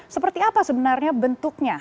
seperti apa sebenarnya bentuknya